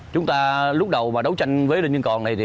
chúng ta lúc đầu đấu tranh với đinh nhân còn này